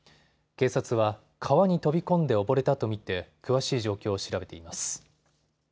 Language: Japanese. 警察は川に飛び込んで溺れたと見て詳しい状況を調べています。